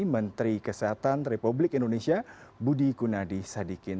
menteri kesehatan republik indonesia budi gunadi sadikin